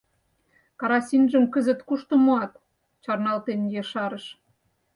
— Карасинжым кызыт кушто муат, — чарналтен, ешарыш.